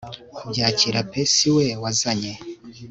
kubyakira pe siwe wazanye